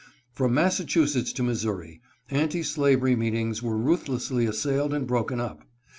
From Massachusetts to Missouri, anti slavery meetings were ruthlessly assailed and broken up.